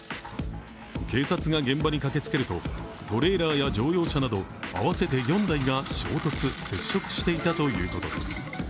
警察が現場に駆けつけると、トレーラーや乗用車など合わせて４台が衝突接触していたということです。